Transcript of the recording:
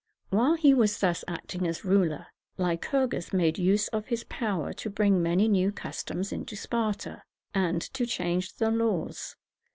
While he was thus acting as ruler, Lycurgus made use of his power to bring many new customs into Sparta, and to change the laws.